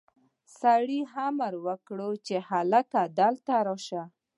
سړي امر وکړ چې هلک دلته راشه.